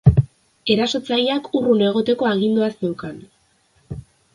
Erasotzaileak urrun egoteko agindua zeukan.